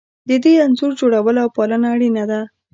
د دې انځور جوړول او پالنه اړینه ده.